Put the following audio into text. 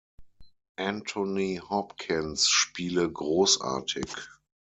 Anthony Hopkins spiele „großartig“.